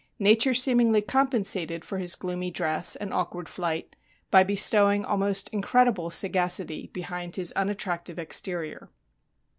Nature seemingly compensated for his gloomy dress and awkward flight by bestowing almost incredible sagacity behind his unattractive exterior.